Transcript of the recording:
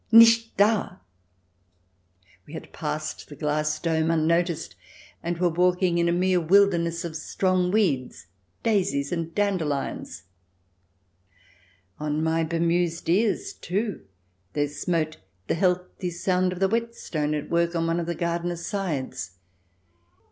Nicht da I" We had passed the glass dome unnoticed, and were walking in a mere wilderness of strong weeds — daisies and dande lions I On my bemused ears, too, there smote the healthy sound of the whetstone at work on one of the gardeners' scythes.